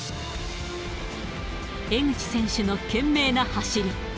江口選手の懸命な走り。